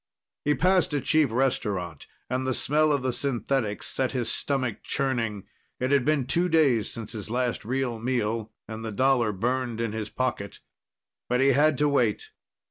He passed a cheap restaurant, and the smell of the synthetics set his stomach churning. It had been two days since his last real meal, and the dollar burned in his pocket. But he had to wait.